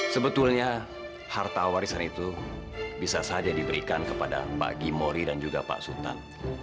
sebetulnya harta warisan itu bisa saja diberikan kepada mbak gimori dan juga pak sultan